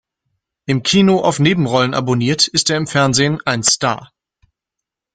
Im Kino auf Nebenrollen abonniert, ist er im Fernsehen ein Star.